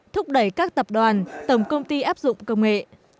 thúc đẩy các tập đoàn tổng công ty áp dụng công nghệ